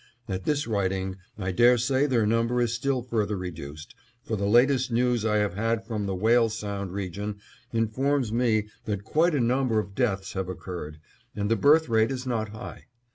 At this writing I dare say their number is still further reduced, for the latest news I have had from the Whale Sound region informs me that quite a number of deaths have occurred, and the birth rate is not high.